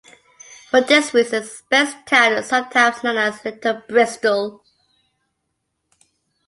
For this reason Speightstown is sometimes known as Little Bristol.